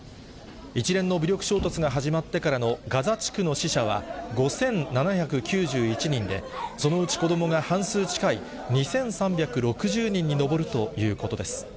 一連の武力衝突が始まってからのガザ地区の死者は５７９１人で、そのうち子どもが半数近い２３６０人に上るということです。